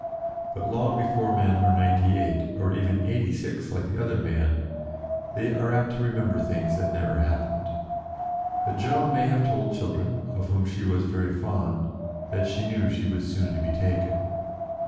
But, long before men are ninety eight, or even eighty six, like the other man, they are apt to re member things that never happened. But Joan may have told children, of whom she was very fond, that she knew she was soon to be taken.